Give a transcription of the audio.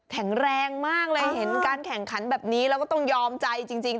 แข็งแรงมากเลยเห็นการแข่งขันแบบนี้แล้วก็ต้องยอมใจจริง